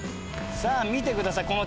さあ見てください。